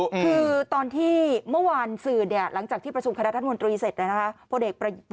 คือตอนที่เมื่อวานสื่อหลังจากที่ประสูจน์คณะรัฐมนตรีเสร็จ